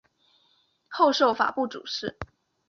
后授法部主事。